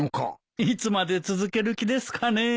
いつまで続ける気ですかねえ。